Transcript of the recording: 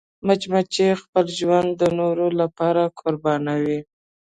مچمچۍ خپل ژوند د نورو لپاره قربانوي